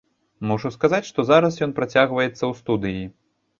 Мушу сказаць, што зараз ён працягваецца ў студыі.